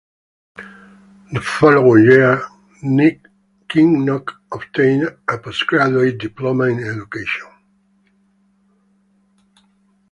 The following year, Kinnock obtained a postgraduate diploma in education.